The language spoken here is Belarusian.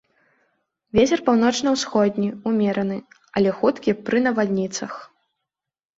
Вецер паўночна-усходні ўмераны, але хуткі пры навальніцах.